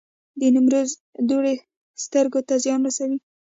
د نیمروز دوړې سترګو ته زیان رسوي؟